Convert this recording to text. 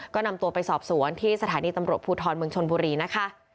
ก็นำตัวไปสอบสวนที่สถานีตำรวจภูทรเมืองชนบุรีนะคะ